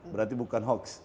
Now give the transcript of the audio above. berarti bukan hoax